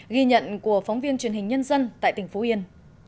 ghi nhận của phóng viên truyền hình nhân dân tại tỉnh phú yên